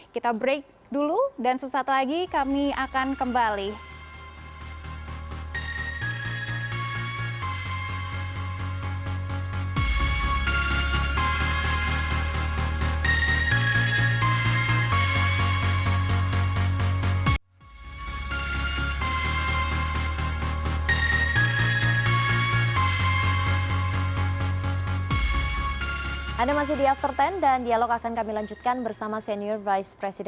kita break dulu dan sesuatu lagi kami akan kembali